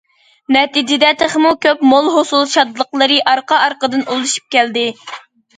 نەتىجىدە، تېخىمۇ كۆپ مول ھوسۇل شادلىقلىرى ئارقا- ئارقىدىن ئۇلىشىپ كەلدى.